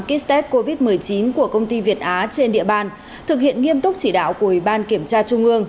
kết xét covid một mươi chín của công ty việt á trên địa bàn thực hiện nghiêm túc chỉ đạo của ubnd kiểm tra trung ương